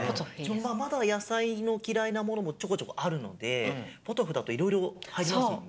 まだやさいのきらいなものもちょこちょこあるのでポトフだといろいろはいりますもんね。